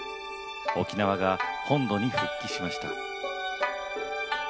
沖縄が本土に復帰しました。